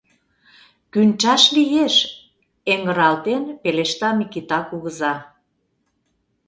— Кӱнчаш лиеш, — эҥыралтен пелешта Микита кугыза.